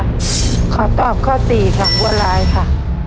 ขอตอบข้อสี่ค่ะบัวลายค่ะ